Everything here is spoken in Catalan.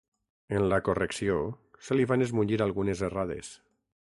En la correcció, se li van esmunyir algunes errades.